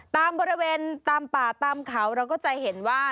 ตามบริเวณตามป่าตามเขาเราก็จะเห็นว่า